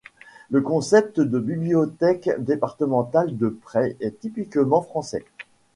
Le concept de bibliothèques départementales de prêt est typiquement français.